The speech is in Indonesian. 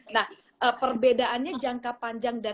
nah perbedaannya jangka panjang dan jangka jangka jauh